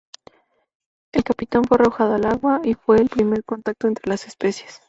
El capitán fue arrojado al agua, y fue el primer contacto entre las especies.